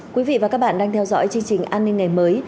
quý vị và các bạn đang theo dõi chương trình an ninh ngày mới